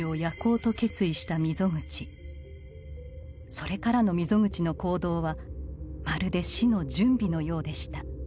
それからの溝口の行動はまるで「死の準備」のようでした。